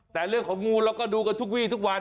แต่เรื่องของงูเราก็ดูกันทุกวี่ทุกวัน